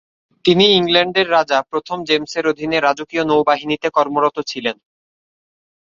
তিনি ইংল্যান্ডের রাজা প্রথম জেমসের অধীনে রাজকীয় নৌবাহিনীতে কর্মরত ছিলেন।